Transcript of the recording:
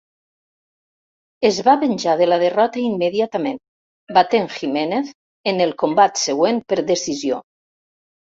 Es va venjar de la derrota immediatament batent Jimenez en el combat següent per decisió.